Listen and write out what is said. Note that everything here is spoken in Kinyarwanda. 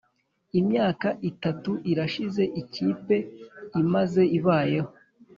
imyaka itatu irashize ikipe imaze ibayeho